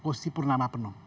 kondisi purnama penuh